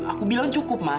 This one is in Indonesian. aku bilang cukup mai